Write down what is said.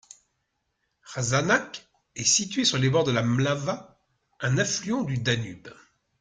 Rašanac est situé sur les bords de la Mlava, un affluent du Danube.